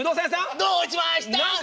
どうしました？